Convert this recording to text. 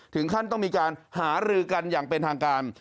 ถึงขั้นต้องมีการหารือกันอย่างเป็นทางการ